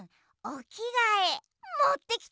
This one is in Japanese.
おきがえ？